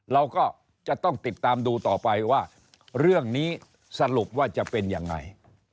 เราก็จะต้องติดตามดูต่อไปว่าเรื่องนี้สรุปว่าจะเป็นยังไง